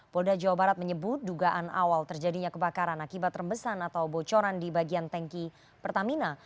polda jawa barat menyebut dugaan awal terjadinya kebakaran akibat rembesan atau bocoran di bagian tanki pertamina